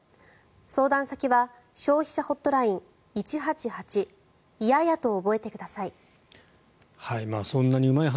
相談先は消費者ホットライン１８８「いやや」と覚えてください。